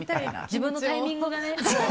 自分のタイミングがね。